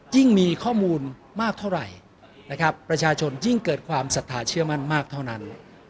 ยิ่งมีข้อมูลมากเท่าไหร่นะครับประชาชนยิ่งเกิดความศรัทธาเชื่อมั่นมากเท่านั้น